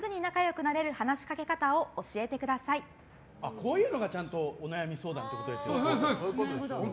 こういうのがちゃんとお悩み相談ってことですね。